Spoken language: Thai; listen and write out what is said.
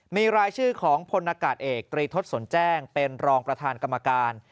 มีรายชื่อของพลนากาศเอกตรีทศสนแจ้งเป็นรองประธานกรรมการ